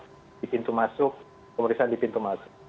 di pintu masuk pemeriksaan di pintu masuk